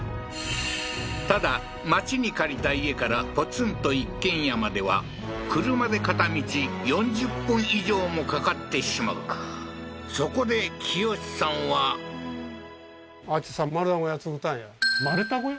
ただ町に借りた家からポツンと一軒家までは車で片道４０分以上もかかってしまうそこで清司さんは丸太小屋？